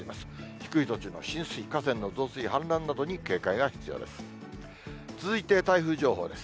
低い土地の浸水、河川の増水、氾濫などに警戒が必要です。